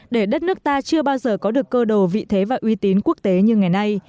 để đất nước ta chưa bao giờ có được cơ đồ vị thế và uy tín quốc tế như ngày nay